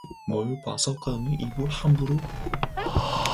뭘 봤건 간에 입 함부로 놀리지 마.